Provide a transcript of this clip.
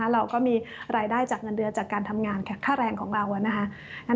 เราก็มีรายได้จากเงินเดือนจากการทำงานค่าแรงของเรานะคะ